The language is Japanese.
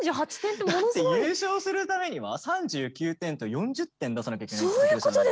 だって優勝するためには３９点と４０点出さなきゃいけないって。